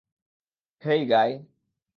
হেই, গাই!